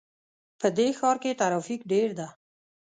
په دې ښار کې ترافیک ډېر ده